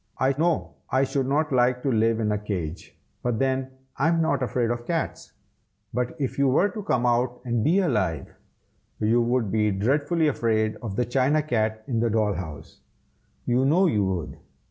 I know I should not like to live in a cage, but then I am not afraid of cats. But if you were to come out and be alive, you would be dreadfully afraid of the china cat in the doll house, you know you would.